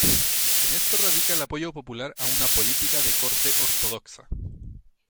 En esto radica el apoyo popular a una política de corte "ortodoxa".